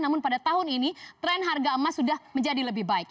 namun pada tahun ini tren harga emas sudah menjadi lebih baik